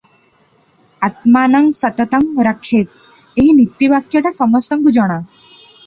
"ଆତ୍ମାନଂ ସତତଂ ରକ୍ଷେତ୍ " ଏହି ନୀତିବାକ୍ୟଟା ସମସ୍ତଙ୍କୁ ଜଣା ।